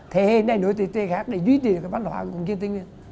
thế hệ này nổi từ thế khác để duy trì cái văn hóa cổng chiên tây nguyên